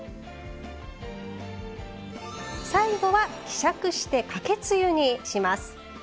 最後は希釈してかけつゆにします。